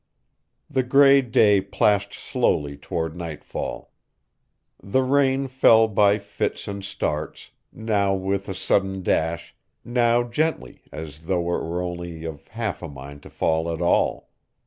The gray day plashed slowly toward nightfall. The rain fell by fits and starts, now with a sudden dash, now gently as though it were only of half a mind to fall at all.